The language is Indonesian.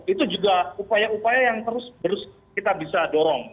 itu juga upaya upaya yang terus kita bisa dorong